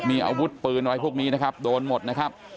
มีอาวุธปืนอะไรพวกนี้นะครับโดนหมดนะครับ